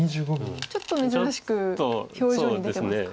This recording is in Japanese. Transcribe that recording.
ちょっと珍しく表情に出てますか。